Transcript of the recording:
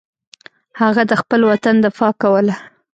هغه د خپل وطن دفاع کوله.